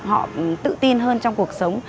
họ tự tin hơn trong cuộc sống